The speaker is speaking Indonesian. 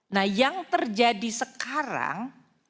nah yang terjadi sekarang